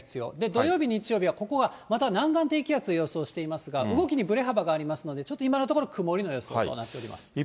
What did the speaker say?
土曜日、日曜日がまた南岸低気圧、予想していますが、動きにぶれ幅がありますので、ちょっと今のところ、曇りの予想となっております。